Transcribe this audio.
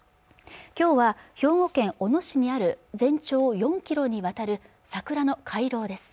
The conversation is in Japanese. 今日は兵庫県小野市にある全長４ｋｍにわたる桜の回廊です